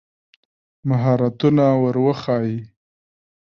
مهارتونه ور وښایي.